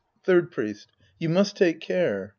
Third Priest. You must take care.